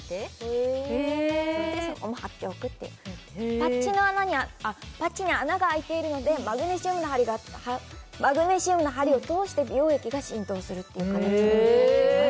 へえでそこも貼っておくっていうパッチに穴が開いているのでマグネシウムの針を通して美容液が浸透するっていう形になっています